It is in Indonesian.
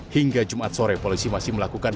hingga jumat sore polisi masih melakukan